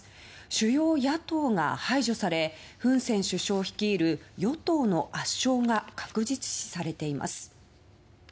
主要野党が排除されフン・セン首相率いる与党の圧勝が確実視されています。